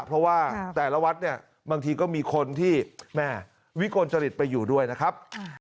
เพราะว่าแต่ละวัดเนี่ยบางทีก็มีคนที่แม่วิกลจริตไปอยู่ด้วยนะครับ